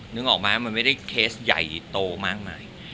นึกออกมันไม่ใช่เคซใหญ่โตมากมาย